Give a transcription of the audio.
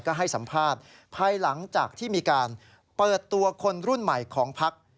ก็ให้สัมภาษณ์ภายหลังจากที่มีการเปิดตัวคนรุ่นใหม่ของพัก